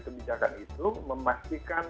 kebijakan itu memastikan